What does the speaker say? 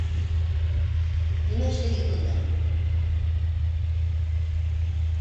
Нимә эшләйһегеҙ бында?